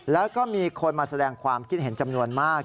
แล้วก็มีคนมาแสดงความคิดเห็นจำนวนมาก